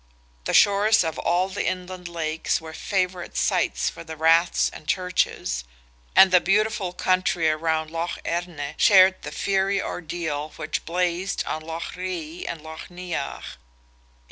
The shores of all the inland lakes were favourite sites for Raths and Churches, and the beautiful country around Lough Erne shared the fiery ordeal which blazed on Lough Ree and Lough Neagh.